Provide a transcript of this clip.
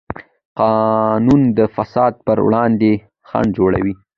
قانون د فساد پر وړاندې خنډ جوړوي.